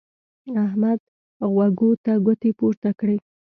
احمد غوږو ته ګوتې پورته کړې.